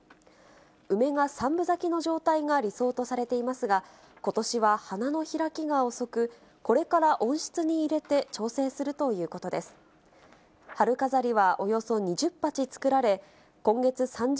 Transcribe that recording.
梅が３分咲きの状態が理想とされていますが、ことしは花の開きが遅く、これから温室に入れて、全国の皆さん、こんばんは。